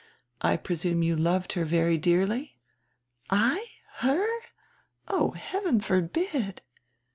I presume you loved her very dearly?" '1? Her? Oh, heaven forbid!"